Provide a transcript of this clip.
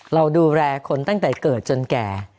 เราดูแลคนตั้งแต่เกิดจนแก่